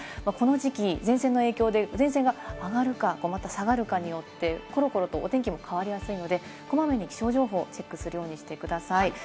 この時期、前線の影響で前線が上がるか、また下がるかによって、コロコロとお天気も変わりやすいので、こまめに気象情報をチェックするようにしてください。